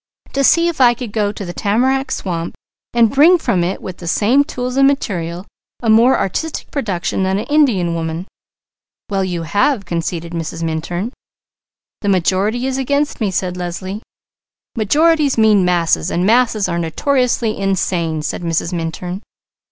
"To see if I could go to the tamarack swamp and bring from it with the same tools and material, a more artistic production than an Indian woman." "Well, you have!" conceded Mrs. Minturn. "The majority is against me," said Leslie. "Majorities mean masses, and masses are notoriously insane!" said Mrs. Minturn.